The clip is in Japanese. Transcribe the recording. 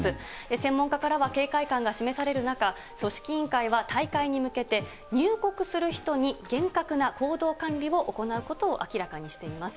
専門家からは警戒感が示される中、組織委員会は大会に向けて、入国する人に厳格な行動管理を行うことを明らかにしています。